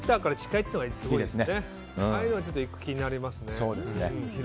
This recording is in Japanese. ああいうのは行く気になりますね。